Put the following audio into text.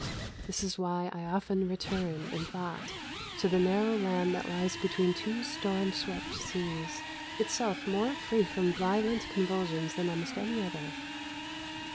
This is why I often return, in thought, to the narrow land that lies between two storm swept seas, itself more free from violent convulsions than almost any other.